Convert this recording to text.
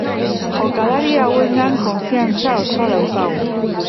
Jokalari hauengan kofiantza osoa daukagu.